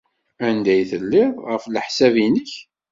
Anda ay tellid, ɣef leḥsab-nnek?